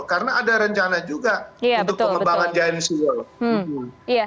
karena ada rencana juga untuk pengembangan giant seawall